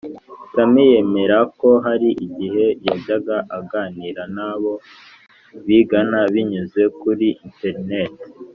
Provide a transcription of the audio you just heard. Tammy yemera ko hari igihe yajyaga aganira n abo bigana binyuze kuri interineti